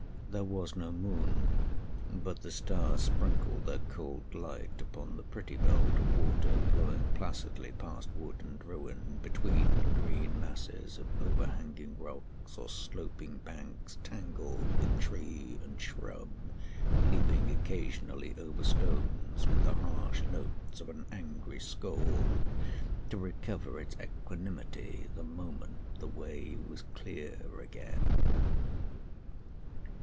There was no moon, but the stars sprinkled their cold light upon the pretty belt of water flowing placidly past wood and ruin, between green masses of overhanging rocks or sloping banks tangled with tree and shrub, leaping occasionally over stones with the harsh notes of an angry scold, to recover its equanimity the moment the way was clear again.